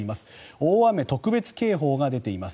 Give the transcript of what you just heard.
大雨特別警報が出ています。